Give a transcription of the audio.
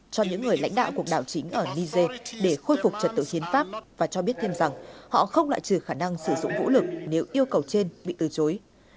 cho những người lãnh đạo quốc đạo chính ở niger để khôi phục trật tựu chiến pháp và cho biết thêm rằng họ không lạ trừ khả năng sử dụng vũ lực nếu yêu cầu trên bị từ chối